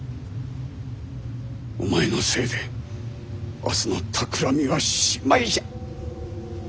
お前のせいで明日のたくらみはしまいじゃ！